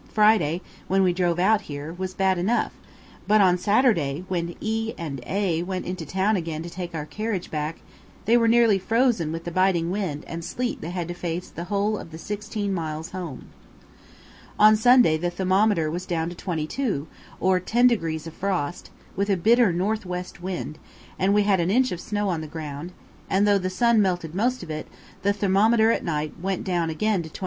Friday, when we drove out here, was bad enough; but on Saturday, when E and A went into town again to take our carriage back, they were nearly frozen with the biting wind and sleet they had to face the whole of the sixteen miles home. On Sunday the thermometer was down to 22, or ten degrees of frost, with a bitter north west wind, and we had an inch of snow on the ground; and though the sun melted most of it, the thermometer at night went down again to 24.